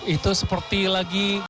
itu seperti lagi